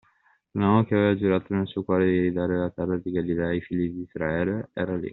L’uomo, che aveva giurato nel suo cuore di ridare la Terra di Galilea ai figli d’Israele, era lì